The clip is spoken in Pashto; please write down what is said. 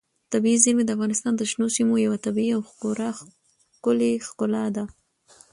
طبیعي زیرمې د افغانستان د شنو سیمو یوه طبیعي او خورا ښکلې ښکلا ده.